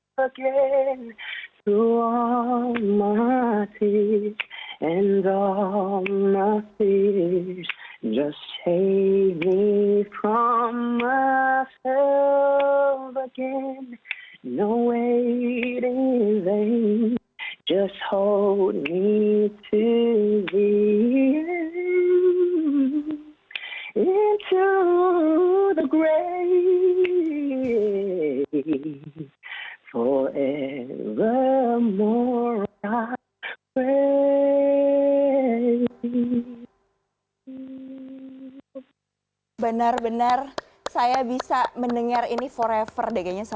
bener bener saya bisa mendengar ini forever deh kayaknya